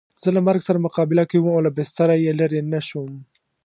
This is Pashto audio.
زه له مرګ سره مقابله کې وم او له بستره یې لرې نه شوم.